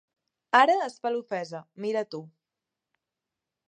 Ara es fa l'ofesa, mira tu.